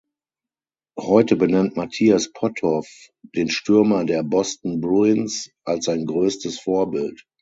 Heute benennt Matthias Potthoff den Stürmer der Boston Bruins als sein größtes Vorbild.